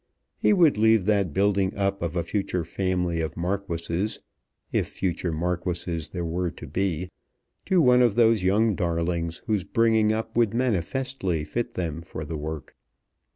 He would leave that building up of a future family of Marquises, if future Marquises there were to be, to one of those young darlings whose bringing up would manifestly fit them for the work.